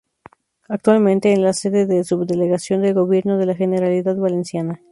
Actualmente es la sede de la Subdelegación del Gobierno de la Generalidad Valenciana.